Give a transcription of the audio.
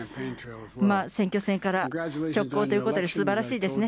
選挙戦から直行ということで、すばらしいですね。